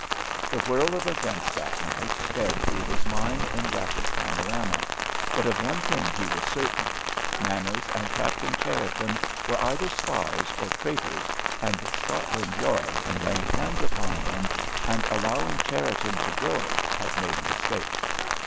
The whirl of events that night sped through his mind in rapid panorama, but of one thing he was certain—Manners and Captain Cherriton were either spies or traitors, and Scotland Yard in laying hands upon him, and allowing Cherriton to go, had made a mistake.